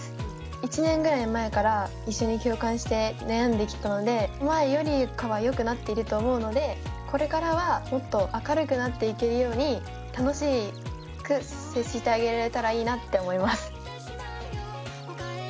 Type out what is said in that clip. １年ぐらい前から一緒に共感して悩んできたので前よりかはよくなっていると思うのでこれからはもっと明るくなっていけるように楽しく接してあげられたらいいなって思います。